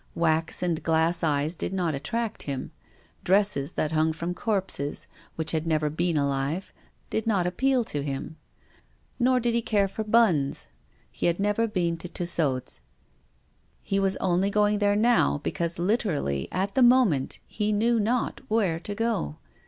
Wax and glass eyes did not attract him. Dresses that hung from corpses, which had never been alive, did not appeal to him. Nor did he care for buns. He had never been to Tussaud's. He was only going there now because literally, at the moment, he knew not where to go.